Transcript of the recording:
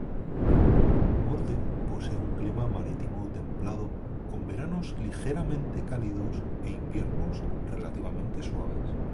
Molde posee un clima marítimo templado con veranos ligeramente cálidos e inviernos relativamente suaves.